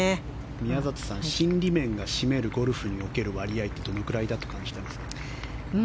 宮里さん、心理面が占めるゴルフにおける割合はどのくらいだと感じていますか？